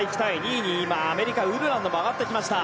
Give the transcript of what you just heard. ２位にアメリカウルランドも上がってきた。